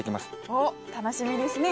おっ楽しみですね。